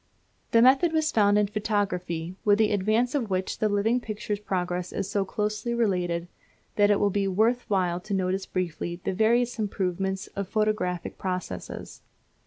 The method was found in photography, with the advance of which the living picture's progress is so closely related, that it will be worth while to notice briefly the various improvements of photographic processes.